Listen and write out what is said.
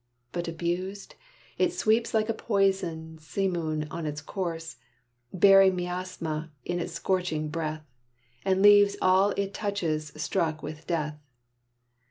But abused, It sweeps like a poison simoon on its course Bearing miasma in its scorching breath, And leaving all it touches struck with death.